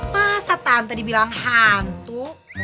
masa tante dibilang hantu